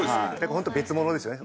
本当別物ですよね